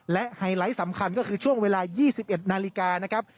และไฮไลท์สำคัญก็คือช่วงเวลา๒๑นาฬิกานะครับ